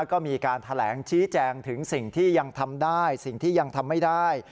ก็มีการแถลงชี้แจงถึงสิ่งที่ยังทำได้สิ่งที่ยังทำไม่ได้